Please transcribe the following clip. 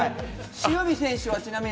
塩見選手はちなみに？